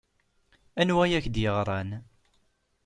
Aniwa ay ak-d-yeɣran?